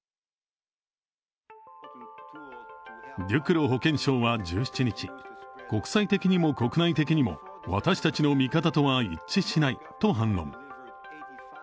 デュクロ保健相は１７日、国際的にも国内的にも私たちの見方とは一致しないと反論。